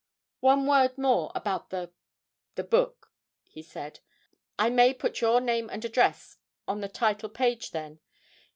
'One word more about the the book,' he said. 'I may put your name and address on the title page, then?